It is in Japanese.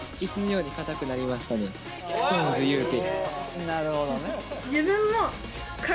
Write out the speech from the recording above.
ＳｉｘＴＯＮＥＳいうて。